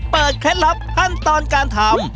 เคล็ดลับขั้นตอนการทำ